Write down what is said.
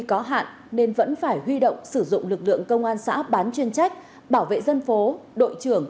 có hạn nên vẫn phải huy động sử dụng lực lượng công an xã bán chuyên trách bảo vệ dân phố đội trưởng